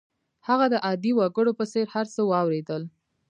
هغه د عادي وګړو په څېر هر څه واورېدل